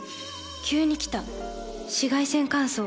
急に来た紫外線乾燥。